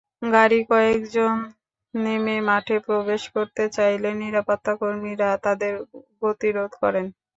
গাড়ি কয়েকজন নেমে মাঠে প্রবেশ করতে চাইলে নিরাপত্তাকর্মীরা তাদের গতিরোধ করেন।